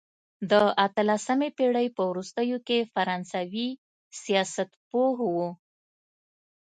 د اتلسمې پېړۍ په وروستیو کې فرانسوي سیاستپوه وو.